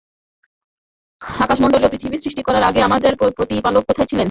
আকাশমণ্ডলী ও পৃথিবী সৃষ্টি করার আগে আমাদের প্রতিপালক কোথায় ছিলেন?